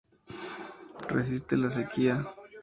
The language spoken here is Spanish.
Resiste la sequía.